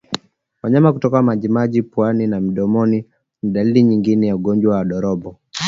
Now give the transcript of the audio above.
Wanyama kutoka majimaji puani na mdomoni ni dalili nyingine ya ugonjwa wa ndorobo